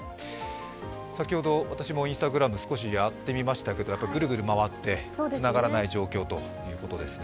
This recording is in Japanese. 先ほど私もＩｎｓｔａｇｒａｍ、少しやってみましたけどグルグル回ってつながらない状況ということですね。